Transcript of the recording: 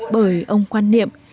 bởi ông quan niệm